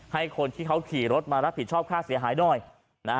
ให้คนที่เขาขี่รถมารับผิดชอบค่าเสียหายหน่อยนะฮะ